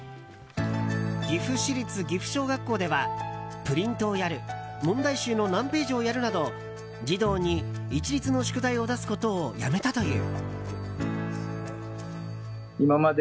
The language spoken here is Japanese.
岐阜市立岐阜小学校ではプリントをやる問題集の何ページをやるなど児童に一律の宿題を出すことをやめたという。